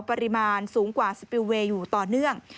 ปริมาณสูงกว่าสปิลเวย์อยู่ต่อเนื่อง